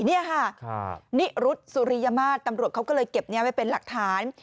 นี่ค่ะนิรุธสุริยมาตรตำรวจเขาก็เลยเก็บนี้ไว้เป็นหลักฐาน